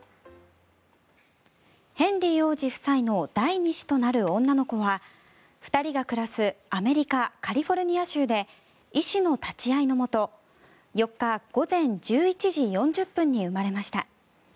ヘンリー王子夫妻の第２子となる女の子は２人が暮らすアメリカ・カリフォルニア州で医師の立ち会いのもと４日午前１１時４０分に生まれました。